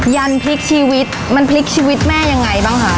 ยันพลิกชีวิตมันพลิกชีวิตแม่ยังไงบ้างคะ